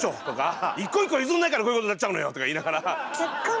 「一個一個譲んないからこういうことになっちゃうのよ！」とか言いながら。